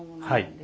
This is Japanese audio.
はい。